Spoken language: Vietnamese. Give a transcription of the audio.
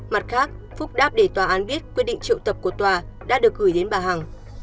mặt khác phúc đáp để tòa án biết quyết định triệu tập của tòa đã được gửi đến bà hằng